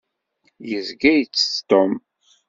Yezga itett Tom.